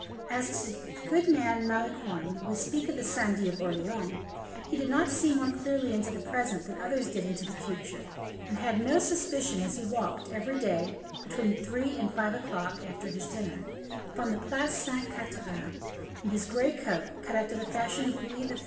As to the good man, Malicorne we speak of the syndic of Orleans he did not see more clearly into the present than others did into the future; and had no suspicion as he walked, every day, between three and five o'clock, after his dinner, upon the Place Sainte Catherine, in his gray coat, cut after the fashion of Louis XIII.